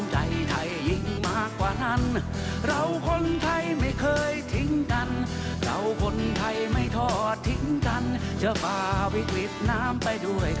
ชุวิตตีแสดหน้า